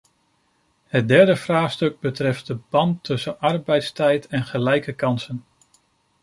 Het derde vraagstuk betreft de band tussen arbeidstijd en gelijke kansen.